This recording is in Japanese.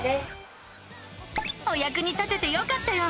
おやくに立ててよかったよ！